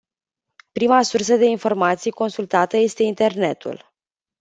Prima sursă de informații consultată este internetul.